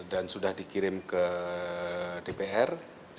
dan sudah dikirim ke dpr